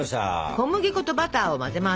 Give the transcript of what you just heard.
小麦粉とバターを混ぜます。